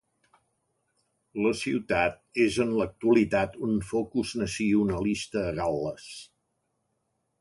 La ciutat és en l'actualitat un focus nacionalista a Gal·les.